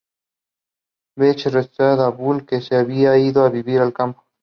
Beach rastreó a Bull, que se había ido a vivir al campo.